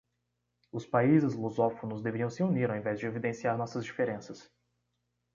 Os países lusófonos deveriam se unir ao invés de evidenciar nossas diferenças